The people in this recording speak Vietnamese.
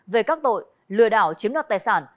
về các tội lừa đảo chiếm đoạt tài sản